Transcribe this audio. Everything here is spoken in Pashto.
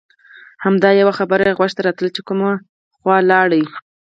همدا یوه خبره غوږ ته راتله چې کومه خوا لاړل.